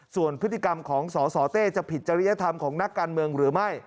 ส่วนพฤติกรรมของสสเต้จะผิดจริยธรรมของนักการเมืองหรือไม่